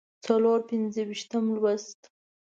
څلور پينځوسم لوست